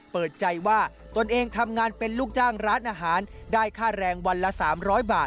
เปิดใจว่าตนเองทำงานเป็นลูกจ้างร้านอาหารได้ค่าแรงวันละ๓๐๐บาท